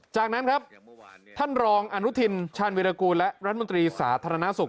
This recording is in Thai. จากนั้นครับท่านรองอนุทินชาญวิรากูลและรัฐมนตรีสาธารณสุข